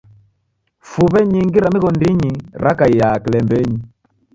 Fuw'e nyingi ra mighondinyi rakaia kilembenyi.